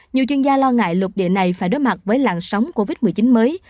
nhiều chuyên gia lo ngại lục địa này phải đối mặt với làn sóng covid một mươi chín mới